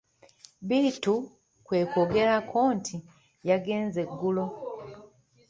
Bittu kwe kwongerako nti:"yagenze ggulo"